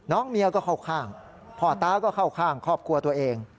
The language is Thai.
เมียก็เข้าข้างพ่อตาก็เข้าข้างครอบครัวตัวเอง